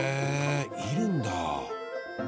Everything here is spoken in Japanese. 煎るんだ。